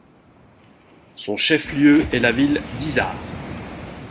Son chef-lieu est la ville d'Hisar.